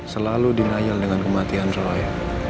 selalu denial dengan kematian saya